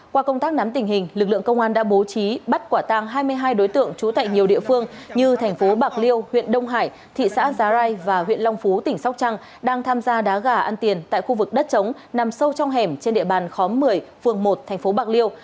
qua công tác nắm tình hình lực lượng công an đã bố trí bắt quả tang hai mươi hai đối tượng trú tại nhiều địa phương như thành phố bạc liêu huyện đông hải thị xã giá rai và huyện long phú tỉnh sóc trăng đang tham gia đá gà ăn tiền tại khu vực đất trống nằm sâu trong hẻm trên địa bàn khóm một mươi phường một thành phố bạc liêu